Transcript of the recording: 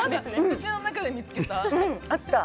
口の中で見つけた？